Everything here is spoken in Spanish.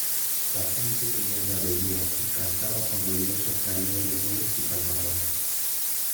la gente criolla bebía y cantaba con ruidoso jaleo de olés y palmadas.